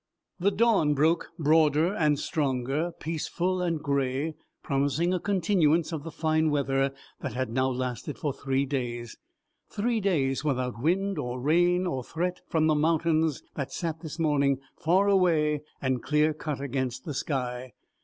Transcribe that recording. The dawn broke broader and stronger, peaceful and grey, promising a continuance of the fine weather that had now lasted for three days, three days without wind or rain or threat from the mountains that sat this morning far away and clear cut against the sky.